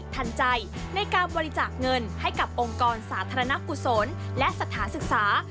ทันใจในการบริจาคเงินให้กับองค์กรสาธารณกุศลและสถานศึกษา